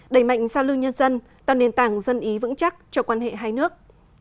đẩy mạnh giao lưu nhân dân tạo nền tảng dân ý vững chắc cho quan hệ hai nước